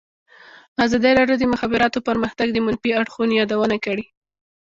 ازادي راډیو د د مخابراتو پرمختګ د منفي اړخونو یادونه کړې.